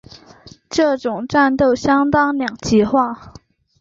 这种战力相当两极化。